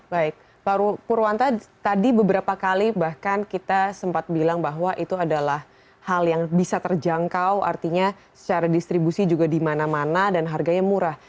baik pak purwanta tadi beberapa kali bahkan kita sempat bilang bahwa itu adalah hal yang bisa terjangkau artinya secara distribusi juga di mana mana dan harganya murah